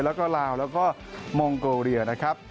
แล้วก็ลาวแล้วก็มองโกเรียนะครับ